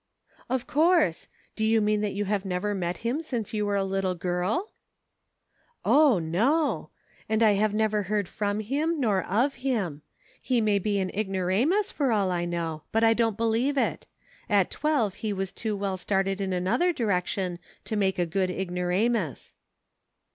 " Of course ! do you mean that you have never met him since you were a little girl .'"" O, no ! and I have never heard from him nor of him. He may be an ignoramus for all I know, but I don't believe it ; at twelve he was too well started in another direction to make a good igno ramus."